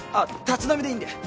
立ち飲みでいいんで。